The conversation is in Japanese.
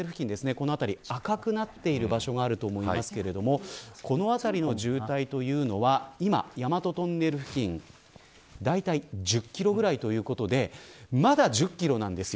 この辺り、赤くなっている場所があると思いますがこの辺りの渋滞というのは今、大和トンネル付近だいたい１０キロぐらいということでまだ、１０キロなんです。